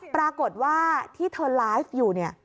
ปรากฏว่าที่เธอไลฟ์อยู่เนี่ย